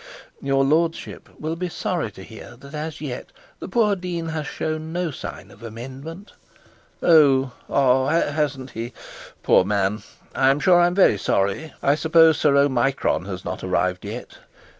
'Your lordship will be sorry to hear that as yet the poor dean has shown no signs of amendment.' 'Oh ah hasn't he? Poor man! I'm sure I'm very sorry. I suppose Sir Omicron has not arrived yet?'